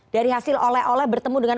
dari hasil oleh oleh bertemu dengan